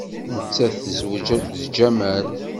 Nettat tezweǧ d Jamal.